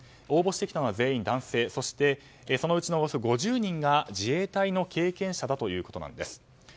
応募してきたのは全員男性そしてそのうちのおよそ５０人が自衛隊の経験者だということなんです。